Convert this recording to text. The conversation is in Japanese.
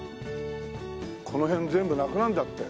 この辺全部なくなるんだって。